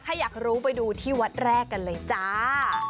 ถ้าอยากรู้ไปดูที่วัดแรกกันเลยจ้า